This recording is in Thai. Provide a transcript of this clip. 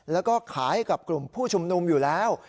แล้วก็ขายให้กับกลุ่มผู้ชุมนุมอยู่แล้ว